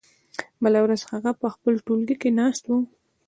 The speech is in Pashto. بله ورځ هغه په خپل ټولګي کې ناست و.